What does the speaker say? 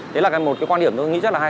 đấy là một cái quan điểm tôi nghĩ rất là hay